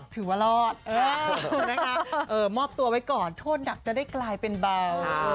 ถือว่ารอดนะคะมอบตัวไว้ก่อนโทษหนักจะได้กลายเป็นเบา